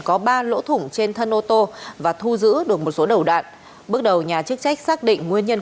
có ba lỗ thủng trên thân ô tô và thu giữ được một số đầu đạn bước đầu nhà chức trách xác định nguyên nhân